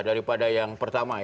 daripada yang pertama